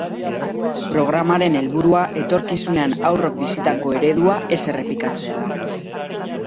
Programaren helburua etorkizunean haurrok bizitako eredua ez errepikatzea da.